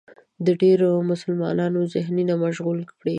د ډېرو مسلمانانو ذهنونه مشغول کړل